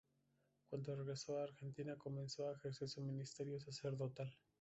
Cuando regresó a Argentina comenzó a ejercer su ministerio sacerdotal.